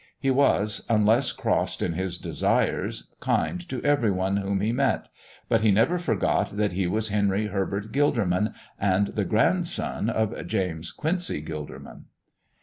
He was, unless crossed in his desires, kind to every one whom he met; but he never forgot that he was Henry Herbert Gilderman and the grandson of James Quincy Gilderman.